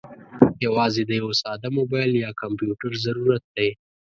یوازې د یوه ساده موبايل یا کمپیوټر ضرورت دی.